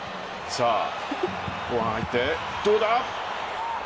さあ後半入って、どうだ。